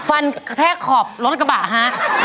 ฟันกระแทกขอบล้มกระบะฮะ